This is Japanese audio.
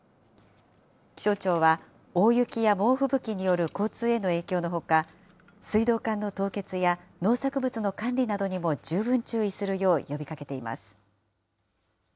気象庁は大雪や猛吹雪による交通への影響のほか、水道管の凍結や農作物の管理などにも十分注意するよう呼びかけています。